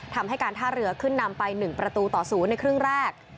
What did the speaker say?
ทำให้การท่าเรือขึ้นนำไป๑ประตูต่อ๐ในครึ่งแรก